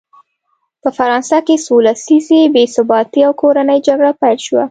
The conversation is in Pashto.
په فرانسه کې څو لسیزې بې ثباتي او کورنۍ جګړه پیل شوه.